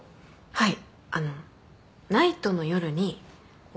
はい。